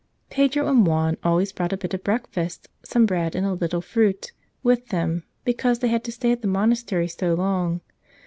Pedro and Juan always brought a bit of breakfast — some bread and a little fruit — with them, because they had to stay at the monastery so long.